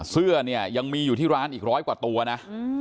เสื้อเนี่ยยังมีอยู่ที่ร้านอีกร้อยกว่าตัวนะ